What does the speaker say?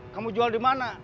kamu jual dimana